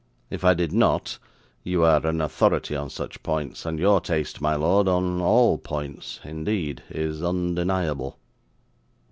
If I did not, you are an authority on such points, and your taste, my lord on all points, indeed is undeniable.